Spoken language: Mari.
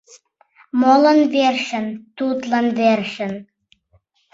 Молан верчын? Тудлан верчын: